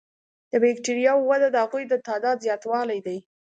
د بکټریاوو وده د هغوی د تعداد زیاتوالی دی.